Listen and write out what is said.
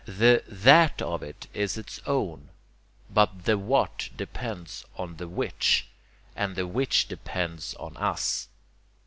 The THAT of it is its own; but the WHAT depends on the WHICH; and the which depends on US.